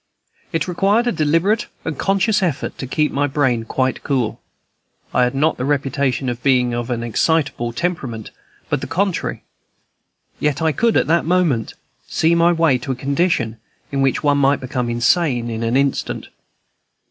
It required a deliberate and conscious effort to keep my brain quite cool. I have not the reputation of being of an excitable temperament, but the contrary; yet I could at that moment see my way to a condition in which one might become insane in an instant.